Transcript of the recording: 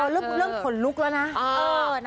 เรื่องผลลุกแล้วนะ